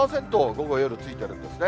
午後、夜ついてるんですね。